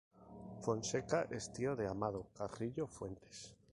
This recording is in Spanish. Fonseca es tío de Amado Carrillo Fuentes.